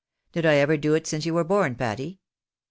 Did I ever do it since you were born, Patty